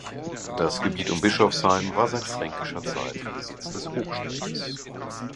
Das Gebiet um Bischofsheim war seit fränkischer Zeit im Besitz des Hochstiftes.